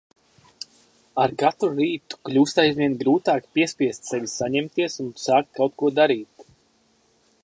Ar katru rītu kļūst aizvien grūtāk piespiest sevi saņemties un sākt kaut ko darīt.